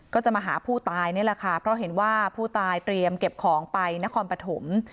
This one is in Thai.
ก็จะมาหาผู้ตายนี่แหละค่ะเพราะเห็นว่าผู้ตายเตรียมเก็บของไปนครปฐม